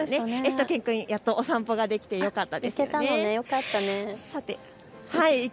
しゅと犬くん、やっとお散歩ができてよかったですね。